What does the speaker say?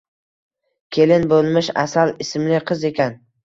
Kelin bo`lmish Asal ismli qiz ekan